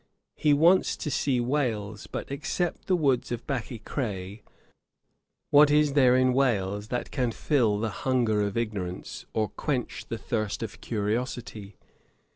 He wants to see Wales; but, except the woods of Bachycraigh, what is there in Wales, that can fill the hunger of ignorance, or quench the thirst of curiosity?